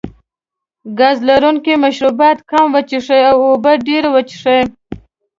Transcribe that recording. ګاز لرونکي مشروبات کم وڅښه او اوبه ډېرې وڅښئ.